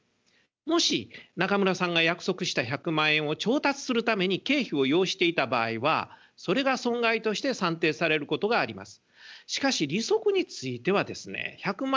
もし中村さんが約束した１００万円を調達するために経費を要していた場合はそれが損害として算定されることがあります。